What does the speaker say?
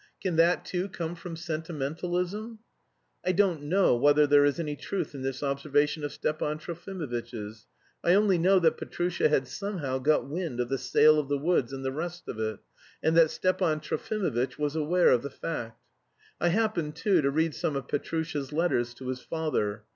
Can that, too, come from sentimentalism?" I don't know whether there is any truth in this observation of Stepan Trofimovitch's. I only know that Petrusha had somehow got wind of the sale of the woods and the rest of it, and that Stepan Trofimovitch was aware of the fact. I happened, too, to read some of Petrusha's letters to his father.